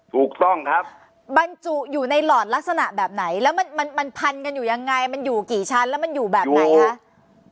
ถูกต้องครับบรรจุอยู่ในหลอดลักษณะแบบไหนแล้วมันพันกันอยู่ยังไงมันอยู่กี่ชั้นแล้วมันอยู่แบบไหนคะ